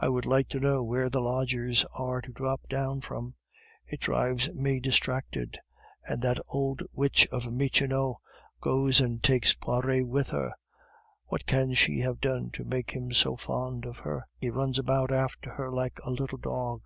I would like to know where the lodgers are to drop down from. It drives me distracted. And that old witch of a Michonneau goes and takes Poiret with her! What can she have done to make him so fond of her? He runs about after her like a little dog."